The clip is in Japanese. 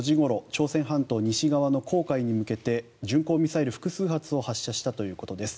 朝鮮半島西側の黄海に向けて巡航ミサイル複数発を発射したということです。